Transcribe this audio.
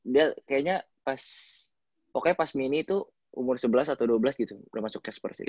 dia kayaknya pas pokoknya pas mini itu umur sebelas atau dua belas gitu udah masuknya seperti itu